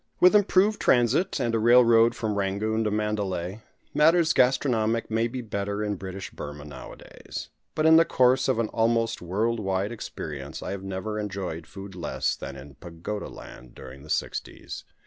With improved transit, and a railroad from Rangoon to Mandalay, matters gastronomic may be better in British Burmah nowadays; but in the course of an almost world wide experience I have never enjoyed food less than in Pagoda land during the sixties.